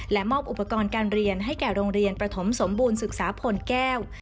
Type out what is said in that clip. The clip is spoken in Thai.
มอบอุปกรณ์การเรียนให้แก่โรงเรียนประถมสมบูรณศึกษาพลแก้ว